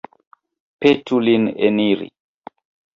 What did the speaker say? Petu lin eniri.